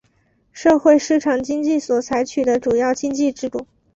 社会市场经济所采取的主要经济制度。